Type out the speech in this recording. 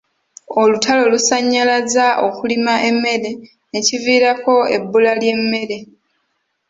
Olutalo lusannyalazza okulima emmere ne kiviirako ebbula ly'emmere.